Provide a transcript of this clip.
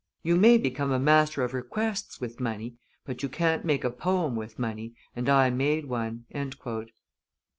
You may become a master of requests with money; but you can't make a poem with money, and I made one."